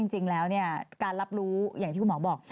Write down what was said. จริงแล้วการรับรู้อย่างที่คุณหมอบอก